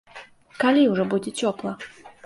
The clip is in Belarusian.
Калі ўжо будзе цёпла?